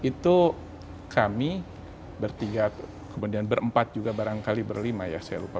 itu kami bertiga kemudian berempat juga barangkali berlima ya saya lupa